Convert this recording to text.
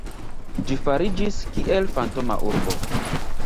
Ĝi fariĝis kiel fantoma urbo.